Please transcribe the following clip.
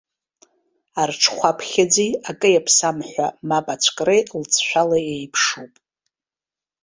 Арҽхәаԥхьыӡи акы иаԥсам ҳәа мап ацәкреи лҵшәала еиԥшуп.